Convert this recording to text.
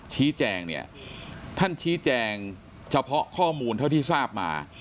ชี้แจงเนี่ยท่านชี้แจงเฉพาะข้อมูลเท่าที่ทราบมา